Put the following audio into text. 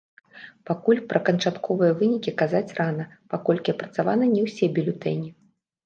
Пакуль пра канчатковыя вынікі казаць рана, паколькі апрацаваны не ўсе бюлетэні.